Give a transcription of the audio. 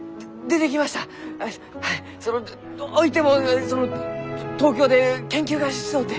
そのどういてもその東京で研究がしとうて。